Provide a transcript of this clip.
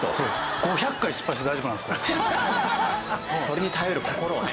それに耐えうる心をね